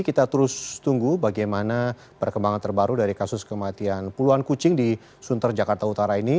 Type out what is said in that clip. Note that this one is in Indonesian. kita terus tunggu bagaimana perkembangan terbaru dari kasus kematian puluhan kucing di sunter jakarta utara ini